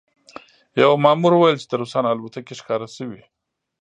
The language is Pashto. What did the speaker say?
یوه مامور وویل چې د روسانو الوتکې ښکاره شوې